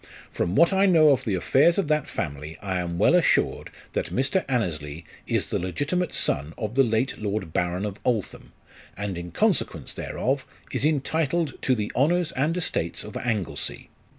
From what I know of the affairs of that family, I am well assured, that Mr. Annesley is the legitimate son of the late Lord Baron of Altham, and in consequence thereof, is entitled to the honours and estates of Anglesey.